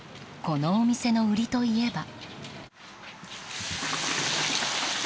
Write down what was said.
このお店の売りといえば。